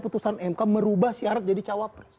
putusan mk merubah syarat jadi cawapres